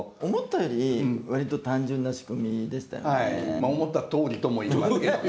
まあ思ったとおりとも言いますけども。